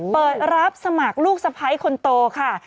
เปิดรับสมัครลูกสะพ้ายคนโตค่ะ